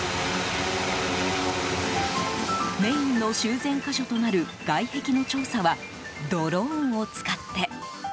メインの修繕箇所となる外壁の調査はドローンを使って。